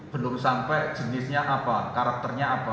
belum sampai jenisnya apa karakternya apa